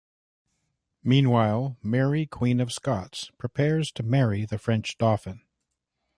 Meanwhile, Mary Queen of Scots prepares to marry the French Dauphin.